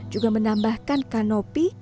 juga menambahkan kanopi